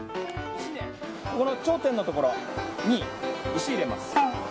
ここの頂点のところに石を入れます。